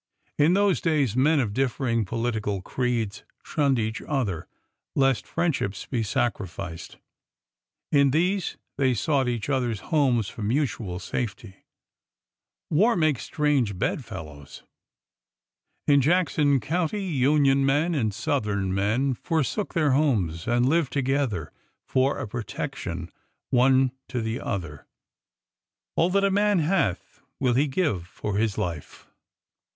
In those days, men of differing political creeds shunned each other lest friendships be sacrificed ; in these, they sought each other's homes for mutual safety. War makes strange bedfel lows. In Jackson County, Union men and Southern men forsook their homes and lived together for a protection one to the other. All that a man hath will he give for his life."